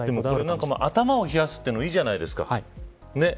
何か、頭を冷やすというの、いいじゃないですか。